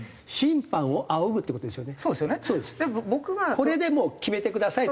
これでもう決めてくださいと。